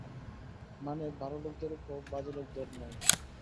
মানে, ভালো লোকেদের ওপর, বাজে লোকেদের নয়।